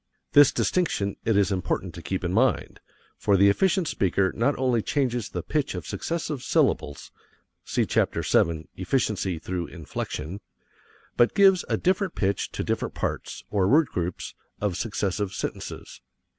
This distinction it is important to keep in mind, for the efficient speaker not only changes the pitch of successive syllables (see Chapter VII, "Efficiency through Inflection"), but gives a different pitch to different parts, or word groups, of successive sentences.